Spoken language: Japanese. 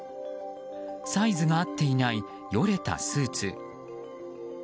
サイズが合っていないよれたスーツ。